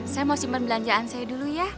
saya mau simpan belanjaan saya dulu ya